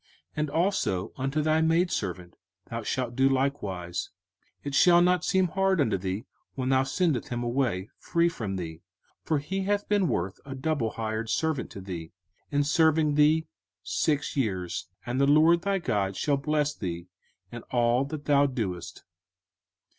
And also unto thy maidservant thou shalt do likewise. 05:015:018 It shall not seem hard unto thee, when thou sendest him away free from thee; for he hath been worth a double hired servant to thee, in serving thee six years: and the LORD thy God shall bless thee in all that thou doest.